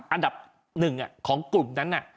อันดับหนึ่งของกลุ่มนั้นนะ